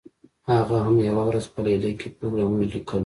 هغه هم یوه ورځ په لیلیه کې پروګرامونه لیکل